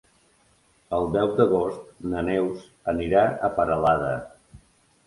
El deu d'agost na Neus anirà a Peralada.